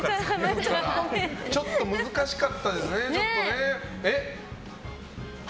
ちょっと難しかったですね。